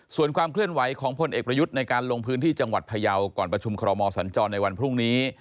ส่วนความเคลื่อนไหวของพลเอกประยุทธ์ในการลงพื้นที่จังหวัดพยาวก่อนประชุมคอรมอสัญจรในวันพรุ่งนี้